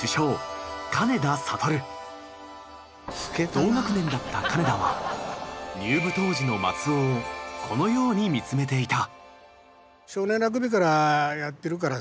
同学年だった金田は入部当時の松尾をこのように見つめていた。